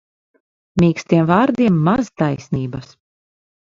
Mīkstiem vārdiem maz taisnības.